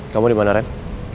kamu dimana ren